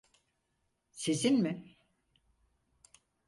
Sizin mi?